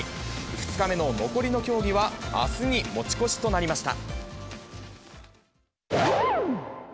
２日目の残りの競技はあすに持ち越しとなりました。